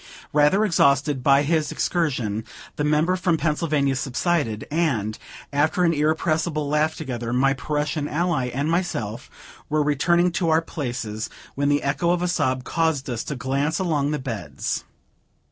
Rather exhausted by his excursion, the member from Pennsylvania subsided; and, after an irrepressible laugh together, my Prussian ally and myself were returning to our places, when the echo of a sob caused us to glance along the beds.